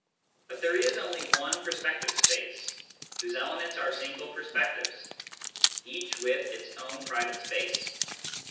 But there is only one perspective space, whose elements are single perspectives, each with its own private space.